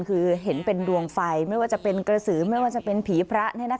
คือเห็นเป็นดวงไฟไม่ว่าจะเป็นกระสือไม่ว่าจะเป็นผีพระ